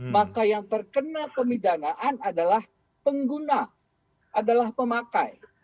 maka yang terkena pemidanaan adalah pengguna adalah pemakai